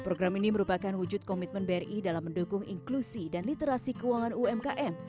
program ini merupakan wujud komitmen bri dalam mendukung inklusi dan literasi keuangan umkm